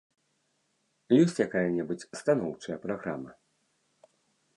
Ёсць якая-небудзь станоўчая праграма?